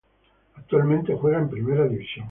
Actualmente juega en Primera División.